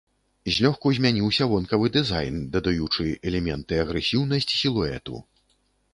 Злёгку змяніўся вонкавы дызайн, дадаючы элементы агрэсіўнасць сілуэту.